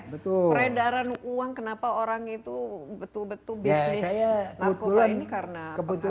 peredaran uang kenapa orang itu betul betul bisnis narkoba ini karena pengaruh